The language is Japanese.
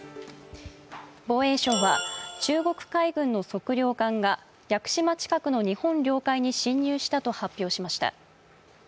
防衛省は中国海軍の測量艦が屋久島近くの日本領海に侵入したと発表しました。